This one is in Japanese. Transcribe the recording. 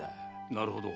なるほど。